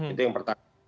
itu yang pertama